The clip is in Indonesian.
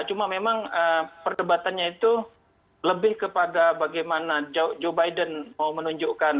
cuma memang perdebatannya itu lebih kepada bagaimana joe biden mau menunjukkan